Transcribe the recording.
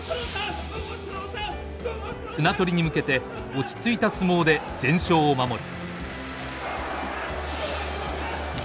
綱取りに向けて落ち着いた相撲で全勝を守る。